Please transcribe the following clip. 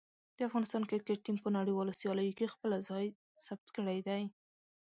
د افغانستان کرکټ ټیم په نړیوالو سیالیو کې خپله ځای ثبت کړی دی.